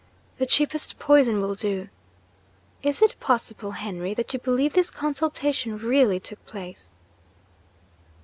The cheapest poison will do. Is it possible, Henry, that you believe this consultation really took place?'